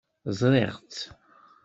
Ẓriɣ-tt.